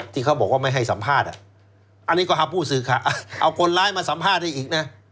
ที่เขาบอกว่าไม่ให้สัมภาษณ์อันนี้ก็เอาผู้สื่อข่าวเอาคนร้ายมาสัมภาษณ์ได้อีกนะ